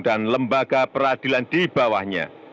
dan lembaga peradilan di bawahnya